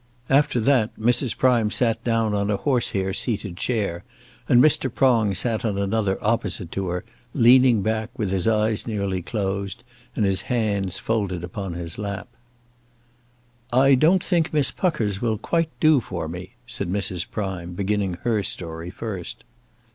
After that Mrs. Prime sat down on a horsehair seated chair, and Mr. Prong sat on another opposite to her, leaning back, with his eyes nearly closed, and his hands folded upon his lap. "I don't think Miss Pucker's will quite do for me," said Mrs. Prime, beginning her story first.